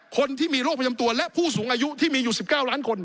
คนที่มีโรคประจำตัวและผู้สูงอายุที่มีอยู่๑๙ล้านคน